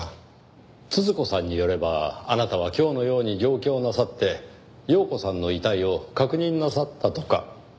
都々子さんによればあなたは今日のように上京なさって庸子さんの遺体を確認なさったとか。